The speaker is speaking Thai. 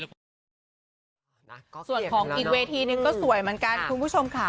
ส่วนของกินเวทีนึงก็สวยเหมือนกันคุณผู้ชมค่ะ